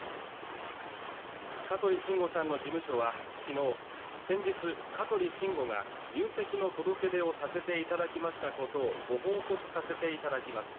香取慎吾さんの事務所は昨日、先日、香取慎吾が入籍の届け出をさせていただきましたことをご報告させていただきます。